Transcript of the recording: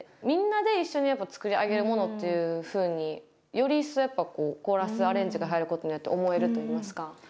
みんなで一緒にやっぱ作り上げるものっていうふうにより一層やっぱコーラスアレンジが入ることによって思えるといいますか。